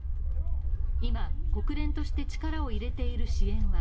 今、国連として力を入れている支援は